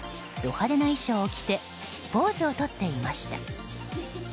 派手な衣装を着てポーズをとっていました。